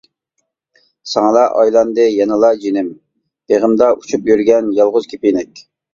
ساڭىلا ئايلاندى يەنىلا جېنىم، بېغىمدا ئۇچۇپ يۈرگەن يالغۇز كېپىنەك.